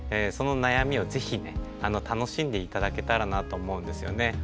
その悩みを是非ね楽しんで頂けたらなと思うんですよね。